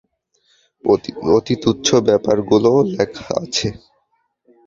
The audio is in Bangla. অতি তুচ্ছ ব্যাপারগুলোও লেখা আছে।